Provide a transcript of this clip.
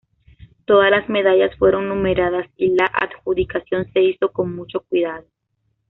Todas las medallas fueron numeradas y la adjudicación se hizo con mucho cuidado.